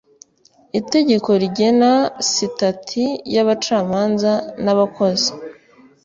itegeko rigena sitati y abacamanza n abakozi